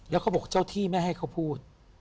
แล้วเขาบอกเจ้าที่ไม่ให้เขาพูด